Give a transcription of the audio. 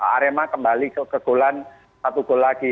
arema kembali ke gol an satu gol lagi